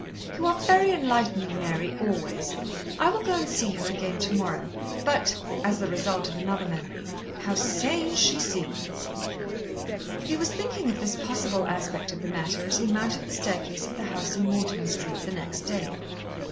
You are very enlightening, Mary, always. I will go and see her again to morrow. But," as the result of another memory, "how sane she seems!" He was thinking of this possible aspect of the matter as he mounted the staircase of the house in Mortimer Street the next day.